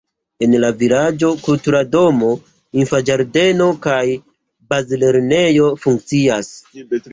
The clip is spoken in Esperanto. En la vilaĝo kulturdomo, infanĝardeno kaj bazlernejo funkcias.